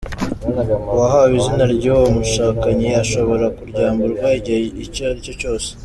Uwahawe izina ry’uwo bashakanye ashobora kuryamburwa igihe icyo ari cyose.